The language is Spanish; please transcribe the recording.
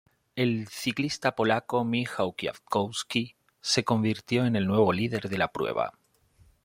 El ciclista polaco Michał Kwiatkowski se convirtió en el nuevo líder de la prueba.